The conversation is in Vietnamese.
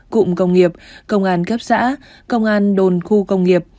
cụm công nghiệp công an cấp xã công an đồn khu công nghiệp